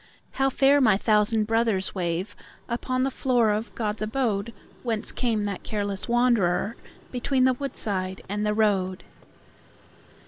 How fair my thousand brothers waveUpon the floor of God's abode:Whence came that careless wandererBetween the woodside and the road!